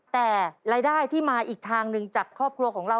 แต่รายได้ที่มาอีกทางหนึ่งจากครอบครัวของเรา